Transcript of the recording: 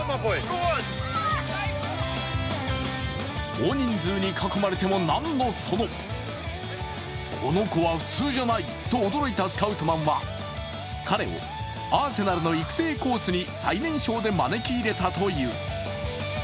大人数に囲まれても、なんのそのこの子は普通じゃないと驚いたスカウトマンは彼をアーセナルの育成コースに最年少で招き入れたという。